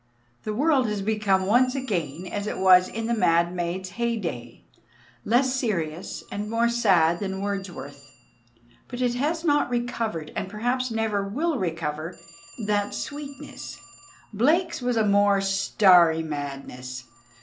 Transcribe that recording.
The world has become once again as it was in the mad maid's heyday, less serious and more sad than Wordsworth; but it has not recovered, and perhaps will never recover, that sweetness. Blake's was a more starry madness.